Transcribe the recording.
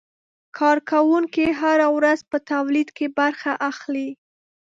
کارکوونکي هره ورځ په تولید کې برخه اخلي.